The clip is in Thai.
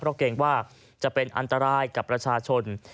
เพราะเกรงว่าจะเป็นอันตรายกับประชาชน